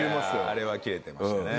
あれはキレてましたね。